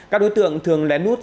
các đối tượng thường lén nút